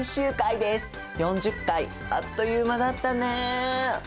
４０回あっという間だったね。